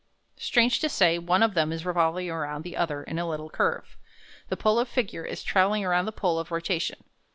Strange to say, one of them is revolving about the other in a little curve. The pole of figure is travelling around the pole of rotation.